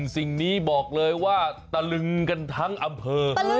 สิ่งนี้บอกเลยว่าตะลึงกันทั้งอำเภอ